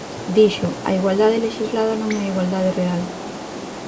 Dixo: a igualdade lexislada non é a igualdade real.